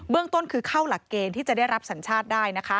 เรื่องต้นคือเข้าหลักเกณฑ์ที่จะได้รับสัญชาติได้นะคะ